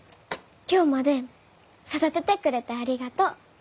今日まで育ててくれてありがとう。